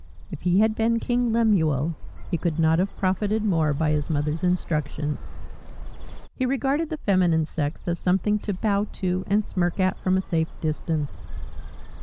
If he had been King Lemuel, he could not have profited more by his mother's instructions. He regarded the feminine sex as something to bow to and smirk at from a safe distance.